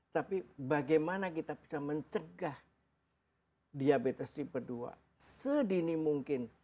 tapi bagaimana kita bisa mencegah diabetes tipe dua sedini mungkin